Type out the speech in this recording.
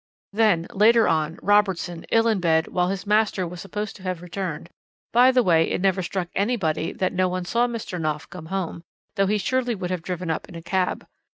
"Then, later on, Robertson, ill in bed, while his master was supposed to have returned by the way, it never struck anybody that no one saw Mr. Knopf come home, though he surely would have driven up in a cab.